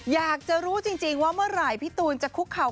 อยากจะรู้จริงว่าเมื่อไหร่พี่ตูนจะคุกเข่า